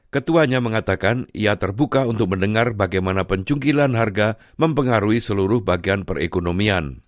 ketuanya mengatakan ia terbuka untuk mendengar bagaimana pencungkilan harga mempengaruhi seluruh bagian perekonomian